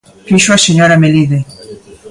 Fíxoo a señora Melide.